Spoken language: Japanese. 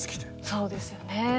そうですよね。